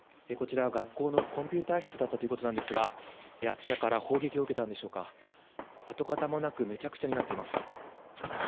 こちら、学校のコンピューター室だったということなんですが、あちらから砲撃を受けたのでしょうか、跡形もなくめちゃくちゃになっています。